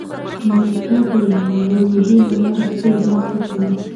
میکا د روژې له لارې خپل ژوند ښه کوي.